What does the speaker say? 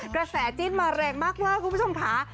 กระแสจิ้นมาแรงมากคุณผู้ชมค่ะ